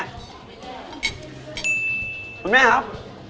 คุณแม่ครับ